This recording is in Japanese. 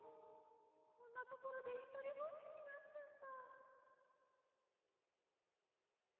こんなところでひとりぼっちになっちゃった。